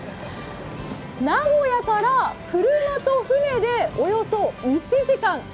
名古屋から車と船でおよそ１時間。